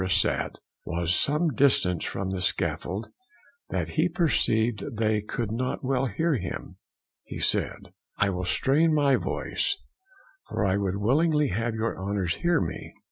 sat, was some distance from the scaffold, that he perceived they could not well hear him, he said) I will strain my voice, for I would willingly have your honours hear me.